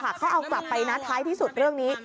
เขาเอากลับไปนะท้ายที่สุดเรื่องนี้